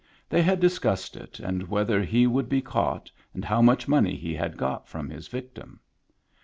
They had discussed it, and whether he would be caught, and how much money he had got from his vic tim.